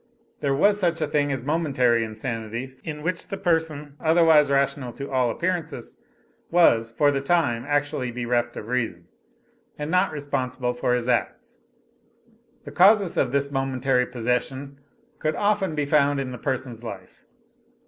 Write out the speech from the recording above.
There was such a thing as momentary insanity, in which the person, otherwise rational to all appearances, was for the time actually bereft of reason, and not responsible for his acts. The causes of this momentary possession could often be found in the person's life.